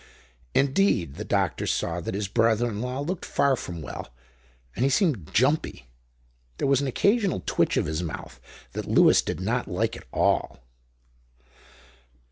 Indeed, the doctor saw that his brother in law looked far from well. And he seemed "jumpy"; there was an occasional twitch of his mouth that Lewis did not like at all.